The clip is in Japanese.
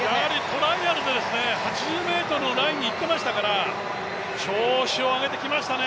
トライアルで８０ｍのラインに行ってましたから調子を上げてきましたね。